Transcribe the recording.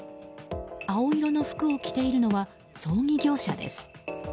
青色の服を着ているのは葬儀業者です。